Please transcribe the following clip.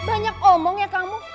banyak omong ya kamu